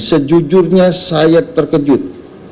sejujurnya saya terkejut